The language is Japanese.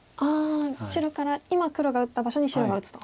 白から今黒が打った場所に白が打つと。